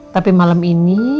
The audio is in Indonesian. tapi malam ini